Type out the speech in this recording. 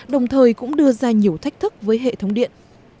đồng thời cũng đưa ra nhiều thách thức với hệ thống điện